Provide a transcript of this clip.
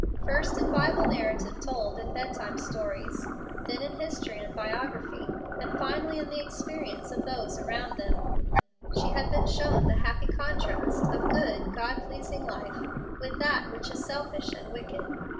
First in Bible narrative told in bedtime stories, then in history and biography, and finally in the experience of those around them, she had been shown the happy contrast of good, God pleasing life with that which is selfish and wicked.